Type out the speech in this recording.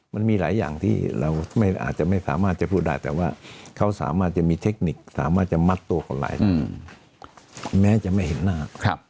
มันมีหลายอย่างที่เราอาจจะไม่สามารถจะพูดได้แต่ว่าเขาสามารถจะมีเทคนิคสามารถจะมัดตัวคนร้ายได้แม้จะไม่เห็นหน้า